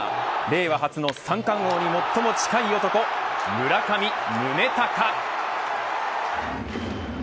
令和初の三冠王に最も近い男村上宗隆。